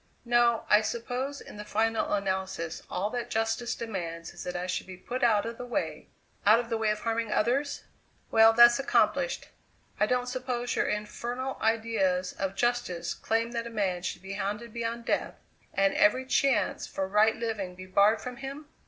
"No. I suppose in the final analysis all that justice demands is that I should be put out of the way out of the way of harming others? Well, that's accomplished. I don't suppose your infernal ideas of justice claim that a man should be hounded beyond death, and every chance for right living be barred from him?